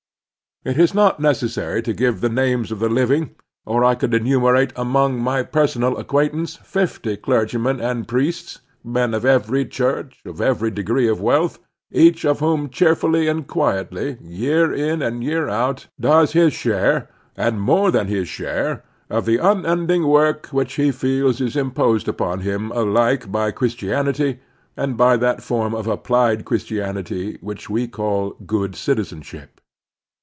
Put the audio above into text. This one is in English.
It is not neces sary to give the names of the living, or I could enumerate among my personal acquaintance fifty clergymen and priests, men of every church, of every degree of wealth, each of whom cheerfully and quietly, year in and year out, does his share, and more than his share, of the imending work which he feels is imposed upon him alike by Chris Civic Helpfulness 93 tianity and by that form of applied Christianity which we call good citizenship.